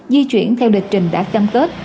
di chuyển theo địch trình đã chăm kết